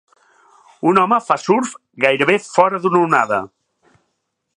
Un home fa surf, gairebé fora d'una onada.